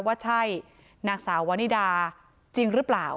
ว่าใช่นางสาววานิดาจริงหรือเปล่า